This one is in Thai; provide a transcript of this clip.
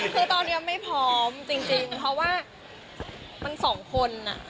คือตอนนี้ไม่พร้อมจริงเพราะว่ามันสองคน